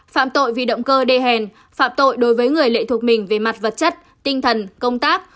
phạm tội vì động cơ đê hèn phạm tội đối với người lệ thuộc mình về mặt vật chất tinh thần công tác